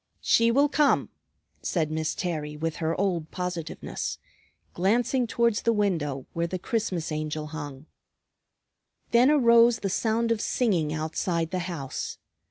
"She will come," said Miss Terry with her old positiveness, glancing towards the window where the Christmas Angel hung. Then arose the sound of singing outside the house.